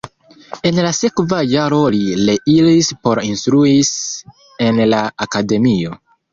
En la sekva jaro li reiris por instruis en la akademio.